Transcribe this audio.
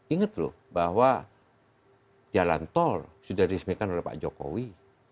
ingat loh bahwa jalan tol sudah disemikan oleh pak jokowi